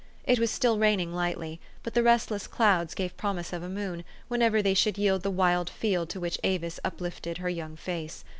It was still raining lightly ; but the restless clouds gave promise of a moon, whenever they should yield the wild field to which Avis uplifted her young face.